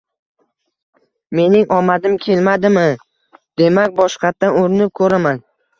Mening omadim kelmadimi, demak boshqatdan urinib ko’raman!